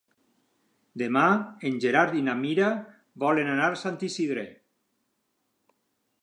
Demà en Gerard i na Mira volen anar a Sant Isidre.